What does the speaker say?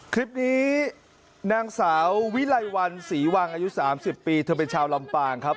คลิปนี้นางสาววิไลวันศรีวังอายุ๓๐ปีเธอเป็นชาวลำปางครับ